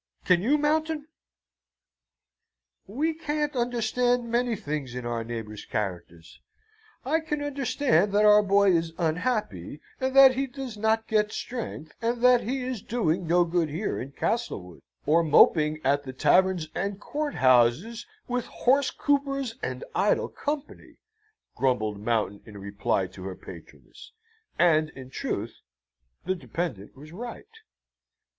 Can you, Mountain?" "We can't understand many things in our neighbours' characters. I can understand that our boy is unhappy, and that he does not get strength, and that he is doing no good here, in Castlewood, or moping at the taverns and court houses with horse coupers and idle company," grumbled Mountain in reply to her patroness; and, in truth, the dependant was right.